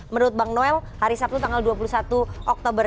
menurut bang noel hari sabtu tanggal dua puluh satu oktober